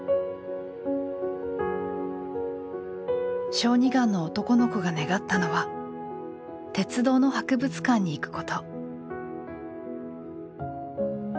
小児がんの男の子が願ったのは鉄道の博物館に行くこと。